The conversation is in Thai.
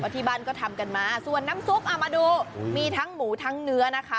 ที่บ้านก็ทำกันมาส่วนน้ำซุปมาดูมีทั้งหมูทั้งเนื้อนะคะ